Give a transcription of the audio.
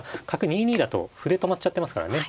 ２二だと歩で止まっちゃってますからね。